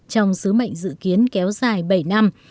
trong sứ mệnh dự kiến kéo dài bảy năm